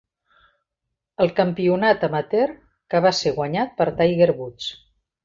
El Campionat Amateur, que va ser guanyat per Tiger Woods.